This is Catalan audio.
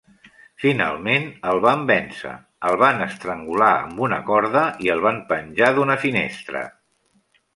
Finalment el van vèncer, el van estrangular amb una corda i el van penjar d'una finestra.